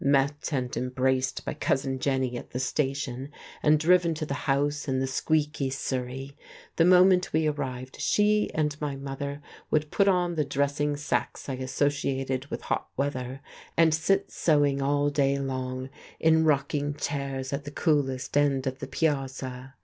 Met and embraced by Cousin Jenny at the station and driven to the house in the squeaky surrey, the moment we arrived she and my mother would put on the dressing sacks I associated with hot weather, and sit sewing all day long in rocking chairs at the coolest end of the piazza.